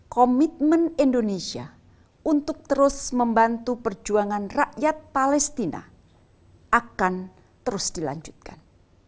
komitmen indonesia untuk terus membantu perjuangan rakyat palestina akan terus dilanjutkan